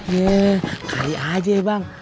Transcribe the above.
ya kali aja bang